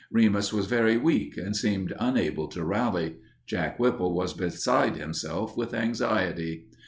Remus was very weak and seemed unable to rally. Jack Whipple was beside himself with anxiety.